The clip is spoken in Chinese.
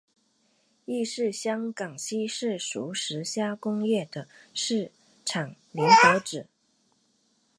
亦是香港西式熟食加工业的市场领导者。